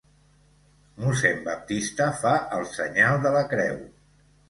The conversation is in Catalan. Mossèn Baptista fa el senyal de la creu.